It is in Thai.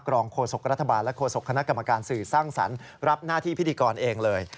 รองโฆษกรัฐบาลและโฆษกคณะกรรมการสื่อสร้างสรรค์รับหน้าที่พิธีกรเองเลย